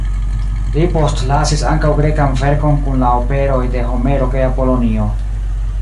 Li postlasis ankaŭ grekan verkon kun la operoj de Homero kaj Apolonio.